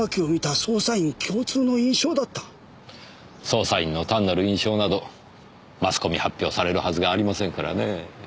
捜査員の単なる印象などマスコミ発表されるはずがありませんからねぇ。